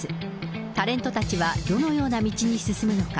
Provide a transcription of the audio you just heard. タレントたちはどのような道に進むのか。